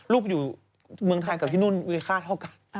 ลูกอยู่เมืองไทยกับที่นู่นมีค่าเท่ากัน